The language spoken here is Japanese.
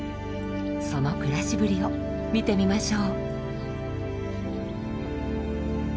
その暮らしぶりを見てみましょう。